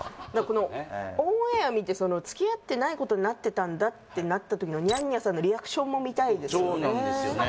このオンエア見て付き合ってないことになってたんだってなった時のニャンニャさんのそうなんですよね